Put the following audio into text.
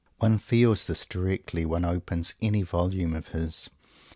One feels this directly one opens any volume of his.